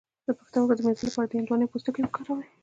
د پښتورګو د مینځلو لپاره د هندواڼې پوستکی وکاروئ